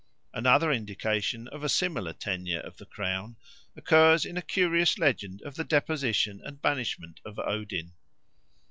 Another indication of a similar tenure of the crown occurs in a curious legend of the deposition and banishment of Odin.